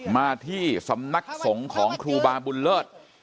มาที่สำนักสงฆ์ของครูบาบุญเลิศ